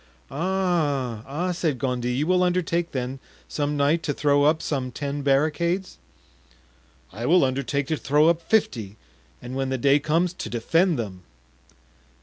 "Ah, ah," said Gondy, "you will undertake, then, some night, to throw up some ten barricades?" "I will undertake to throw up fifty, and when the day comes, to defend them."